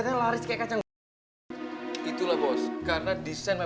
mereka lagi ngapain pemasingnya